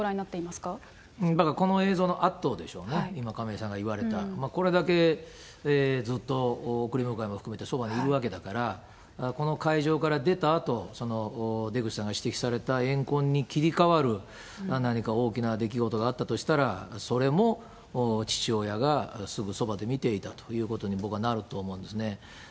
この映像のあとでしょうね、今、亀井さんが言われた、これだけずっと送り迎えも含めてそばにいるわけだから、この会場から出たあと、出口さんが指摘された怨恨に切り替わる何か大きな出来事があったとしたら、それも父親がすぐそばで見ていたということに、僕はなると思うんですね。